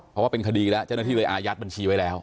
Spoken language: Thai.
เพราะว่าเป็นคดีแล้วเจ้าหน้าที่เลยอายัดบัญชีไว้แล้ว